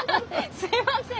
すいません。